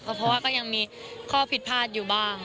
เพราะว่าก็ยังมีข้อผิดพลาดอยู่บ้าง